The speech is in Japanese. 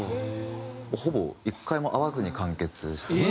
ほぼ１回も会わずに完結してますね。